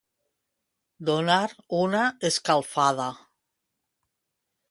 Donar una escalfada.